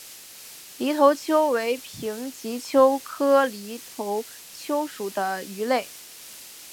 犁头鳅为平鳍鳅科犁头鳅属的鱼类。